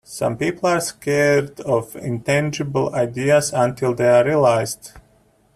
Some people are scared of intangible ideas until they are realized.